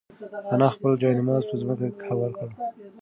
انا خپل جاینماز په ځمکه هوار کړ.